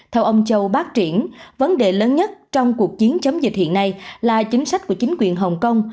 theo ông châu bác triển vấn đề lớn nhất trong cuộc chiến chống dịch hiện nay là chính sách của chính quyền hồng kông